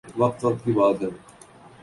وقت وقت کی بات ہے